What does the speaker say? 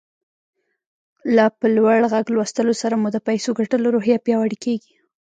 له په لوړ غږ لوستلو سره مو د پيسو ګټلو روحيه پياوړې کېږي.